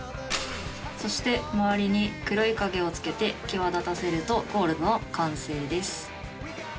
そして周りに黒い影をつけて際立たせるとゴールドの完成です。